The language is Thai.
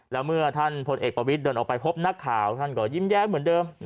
แล้วเมื่อท่านพลเอกประวิทย์เดินออกไปพบนักข่าวท่านก็ยิ้มแย้มเหมือนเดิม